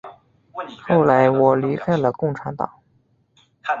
后来我离开了共产党。